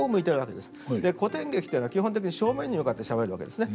古典劇というのは基本的に正面に向かってしゃべるわけですね。